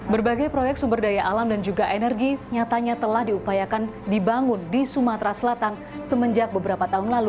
berbagai proyek sumber daya alam dan juga energi nyatanya telah diupayakan dibangun di sumatera selatan semenjak beberapa tahun lalu